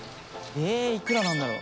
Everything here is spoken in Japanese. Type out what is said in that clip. えぇいくらなんだろう？